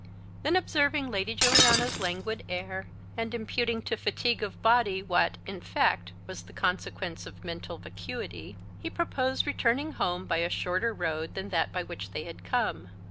Then observing Lady Juliana's languid air, and imputing to fatigue of body what, in fact, was the consequence of mental vacuity, he proposed returning home by a shorter road than that by which they had come.